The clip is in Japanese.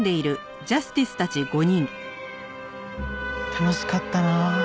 楽しかったなあ。